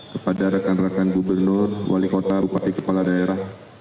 kepada rekan rekan gubernur wali kota bupati kepala daerah